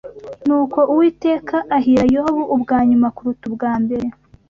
Nuko Uwiteka ahira Yobu ubwa nyuma kuruta ubwa mbere